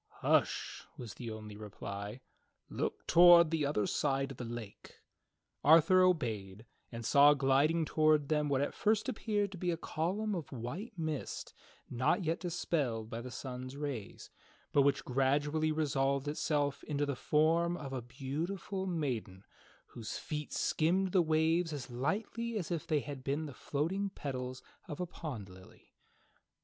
"Hush," was the only reply, "Look toward the other side of the lake." Arthur obeyed, and saw gliding toward them what at first appeared to be a column of white mist not yet dispelled by the sun's rays, but which gradually resolved itself into the form of a beautiful maiden whose feet skimmed the waves as lightly as if they had been the floating petals of a pond lily.